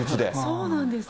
そうなんですか。